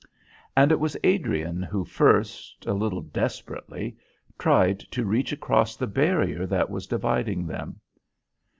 And it was Adrian who first, a little desperately, tried to reach across the barrier that was dividing them.